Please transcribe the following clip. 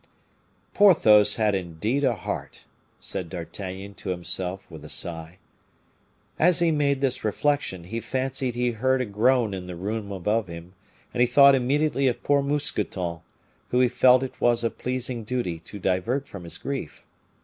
"Porthos had indeed a heart," said D'Artagnan to himself with a sigh. As he made this reflection, he fancied he hard a groan in the room above him; and he thought immediately of poor Mousqueton, whom he felt it was a pleasing duty to divert from his grief.